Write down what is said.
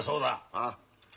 ああ。